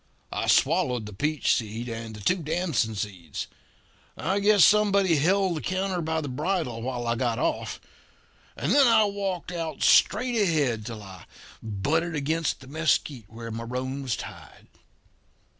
"I swallowed the peach seed and the two damson seeds. I guess somebody held the counter by the bridle while I got off; and then I walked out straight ahead till I butted against the mesquite where my roan was tied.